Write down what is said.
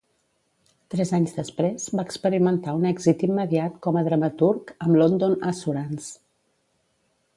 Tres anys després, va experimentar un èxit immediat com a dramaturg amb "London Assurance".